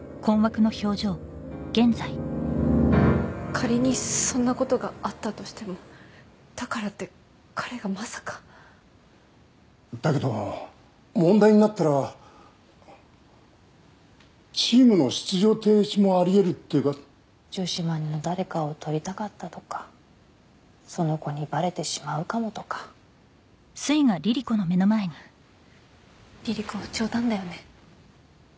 仮にそんなことがあったとしてもだからって彼がまさかだけど問題になったらチームの出場停止もありえるっていうか女子マネの誰かを撮りたかったとかその子にバレてしまうかもとかリリ子冗談だよね？